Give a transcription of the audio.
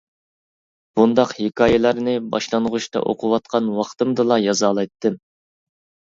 بۇنداق ھېكايىلەرنى باشلانغۇچتا ئوقۇۋاتقان ۋاقتىمدىلا يازالايتتىم.